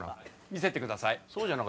見せてください。